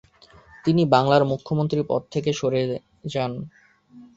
তিনি বাংলার মুখ্যমন্ত্রীর পদ থেকে সরে যান।